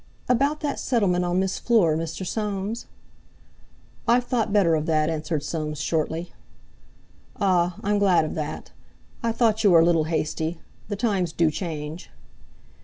"About that settlement on Miss Fleur, Mr. Soames?" "I've thought better of that," answered Soames shortly. "Ah! I'm glad of that. I thought you were a little hasty. The times do change."